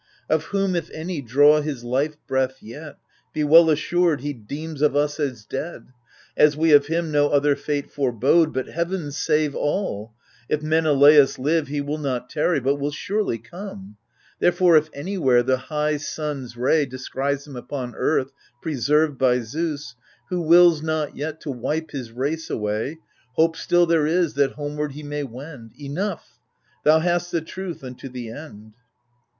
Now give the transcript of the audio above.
Of whom if any draw his life breath yet. Be well assured, he deems of us as dead, As we of him no other fate forebode. But heaven save all ! If Menelaus live, He will not tarry, but will surely come : Therefore if anywhere the high sun's ray Descries him upon earth, preserved by Zeus, Who wills not yet to wipe his race away, Hope still there is that homeward he may wend Enough — thou hast the truth unto the end.